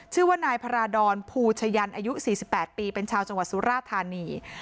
ชื่อว่านายพรดอนภูเฉยันอายุสี่สิบแปดปีเป็นชาวจังหวัดสุราธานี